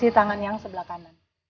di tangan yang sebelah kanan